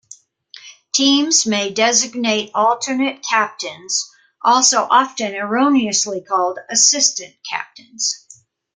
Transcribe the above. Teams may designate alternate captains, also often erroneously called "assistant captains".